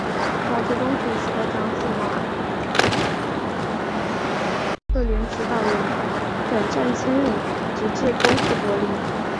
毛泽东主席的长子毛岸英作为白俄罗斯第一方面军坦克连指导员，转战千里，直至攻克柏林。